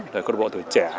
rồi quân bộ tuổi trẻ